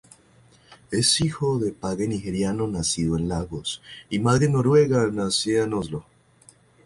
Es hijo de padre nigeriano nacido en Lagos y madre noruega nacida en Oslo.